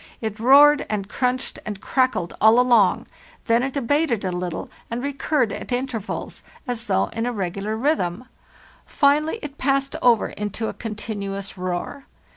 It roared and crunched and crackled all along; then it abated a little and recurred at intervals, as though in a regular rhythm; finally it passed over into a continuous roar.